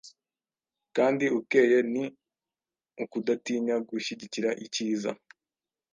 kandi ukeye, ni ukudatinya gushyigikira ikiza,